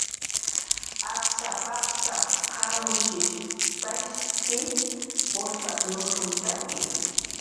"Apsap"" apsap"" qamishkt"" ish ustatnushuntaki"